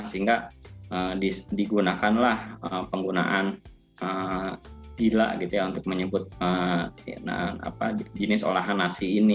sehingga digunakanlah penggunaan gila gitu ya untuk menyebut jenis olahan nasi ini